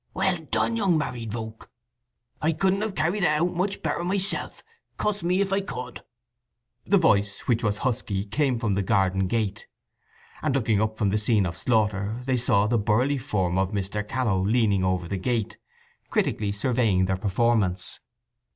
"Well done, young married volk! I couldn't have carried it out much better myself, cuss me if I could!" The voice, which was husky, came from the garden gate, and looking up from the scene of slaughter they saw the burly form of Mr. Challow leaning over the gate, critically surveying their performance.